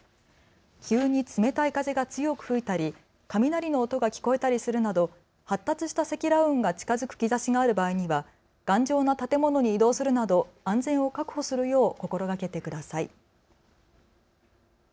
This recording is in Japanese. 急に冷たい風が強く吹いたり雷の音が聞こえたりするなど発達した積乱雲が近づく兆しがある場合には頑丈な建物に移動するなど安全を確保するよう心がけてください。